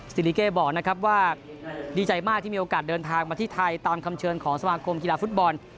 ซิลิเกบอกนะครับว่าดีใจมากที่มีโอกาสเดินทางมาที่ไทยตามคำเชิญของสมาคมกีฬาฟุตบอล